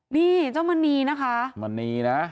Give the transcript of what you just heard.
นี่เจ้ามณีนะคะมณีนะ